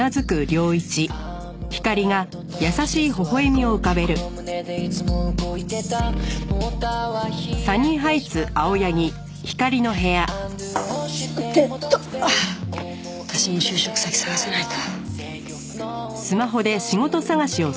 さてと私も就職先探さないと。